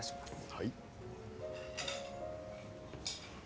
はい。